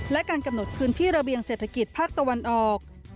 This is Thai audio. และการกำหนดพื้นที่ระเบียงเศรษฐกิจภาคตะวันออก